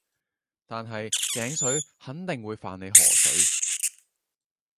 但係井水肯定會犯你河水